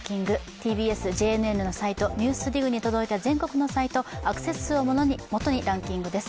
ＴＢＳ・ＪＮＮのサイト「ＮＥＷＳＤＩＧ」に届いた全国のニュースをアクセス数をもとにランキングです。